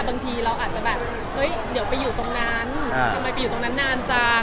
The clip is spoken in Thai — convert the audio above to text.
บางทีเราอาจจะแบบเฮ้ยเดี๋ยวไปอยู่ตรงนั้นทำไมไปอยู่ตรงนั้นนานจัง